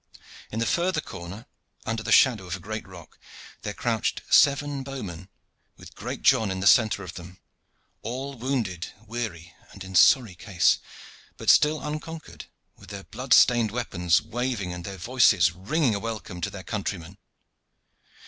In the further corner, under the shadow of a great rock, there crouched seven bowmen, with great John in the centre of them all wounded, weary, and in sorry case, but still unconquered, with their blood stained weapons waving and their voices ringing a welcome to their countrymen.